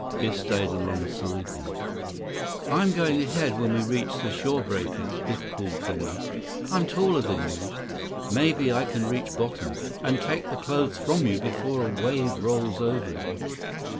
Biff stayed alongside him. 132 "I'm going ahead when we reach the shore breakers," Biff called to Li. "I'm taller than you. Maybe I can reach bottom, and take the clothes from you before a wave rolls over you."